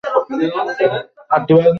বুঝাতে বুঝাতে আমি ক্লান্ত হয়ে গেছি!